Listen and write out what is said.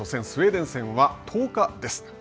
スウェーデン戦は１０日です。